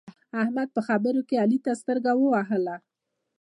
احمد په خبرو کې علي ته سترګه ووهله.